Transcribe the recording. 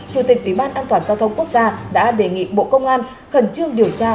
chủ tịch ủy ban an toàn giao thông quốc gia đã đề nghị bộ công an khẩn trương điều tra